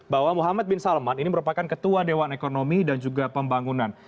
bahwa muhammad bin salman ini merupakan ketua dewan ekonomi dan juga pembangunan